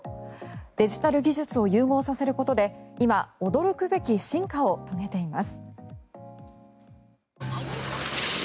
デジタル技術を融合させることで今、驚くべき進化を遂げています。